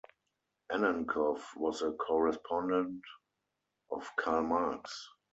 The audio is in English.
Annenkov was a correspondent of Karl Marx.